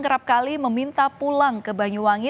kerap kali meminta pulang ke banyuwangi